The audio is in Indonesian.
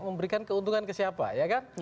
memberikan keuntungan ke siapa ya kan